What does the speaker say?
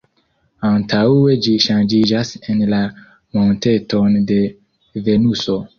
Antaŭe ĝi ŝanĝiĝas en la monteton de Venuso.